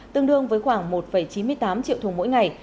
tương đương với khoảng một chín mươi tám triệu thùng mỗi ngày